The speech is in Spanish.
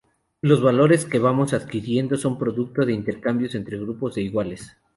Los valores que vamos adquiriendo son producto de los intercambios entre grupos de iguales.